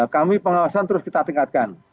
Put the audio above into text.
kami pengawasan terus kita tingkatkan